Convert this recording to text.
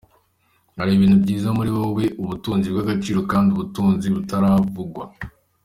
Hari ibintu byiza muri wowe, ubutunzi bw'agaciro kandi ubutunzi butaravugwa.